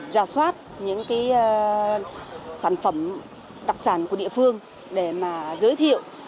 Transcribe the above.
ra soát những cái sản phẩm đặc sản của địa phương để mà giới thiệu